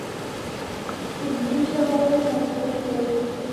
علمي شواهد ارزښت لري.